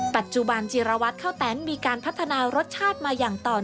ปัจจุบันจิรวัตรข้าวแตนมีการพัฒนารสชาติมาอย่างต่อเนื่อง